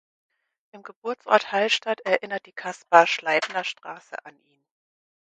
Im Geburtsort Hallstadt erinnert die "Kaspar-Schleibner-Straße" an ihn.